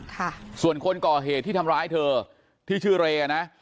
ค่ะส่วนคนก่อเหตุที่ทำร้ายเธอที่ชื่อเรนะ